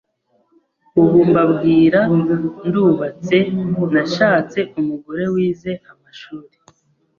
Ubu mbabwira, ndubatse, nashatse Umugore wize Amashuri,